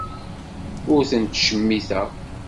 Ur ten-ttcemmiteɣ.